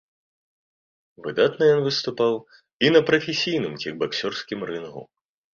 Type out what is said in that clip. Выдатна ён выступаў і на прафесійным кікбаксёрскім рынгу.